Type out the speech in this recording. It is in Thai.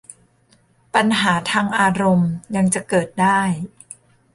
ปัญหาทางอารมณ์ยังจะเกิดได้